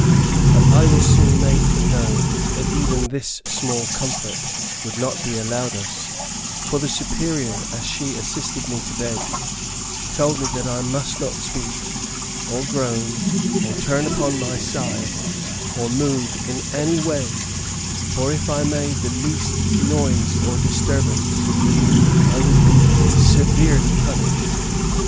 But I was soon made to know that even this small comfort would not be allowed us, for the Superior, as she assisted me to bed, told me that I must not speak, or groan, or turn upon my side, or move in any way; for if I made the least noise or disturbance, I would be severely punished.